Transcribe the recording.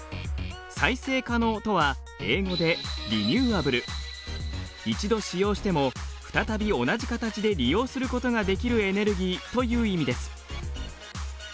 再生可能とは英語で一度使用しても再び同じ形で利用することができるエネルギーという意味です。